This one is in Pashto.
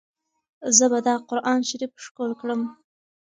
زه به دا قرانشریف ښکل کړم.